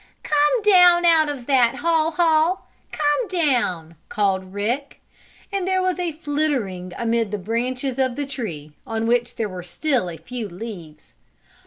"Come down out of that, Haw Haw! Come down!" called Rick, and there was a flittering amid the branches of the tree on which there were still a few leaves.